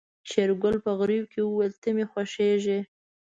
شېرګل په غريو کې وويل ته مې خوښيږې.